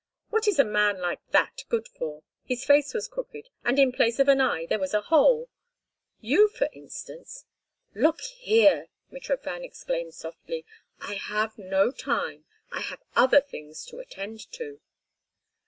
What is a man like that good for? His face was crooked, and in place of an eye there was a hole. You, for instance—" "Look here!" Mitrofan exclaimed softly. "I have no time. I have other things to attend to."